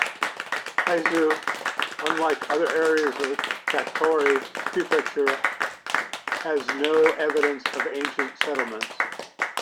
Hiezu, unlike other areas of Tottori Prefecture, has no evidence of ancient settlements.